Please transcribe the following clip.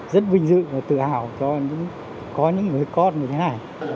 rất vinh dự và tự hào cho có những người con như thế này